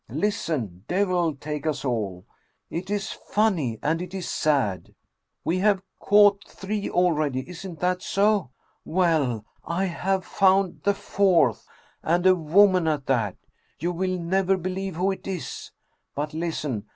Listen, devil take us all ! It is funny, and it is sad. We have caught three already isn't that so? Well, I have found the fourth, and a woman at that. You will never believe who it is! But listen.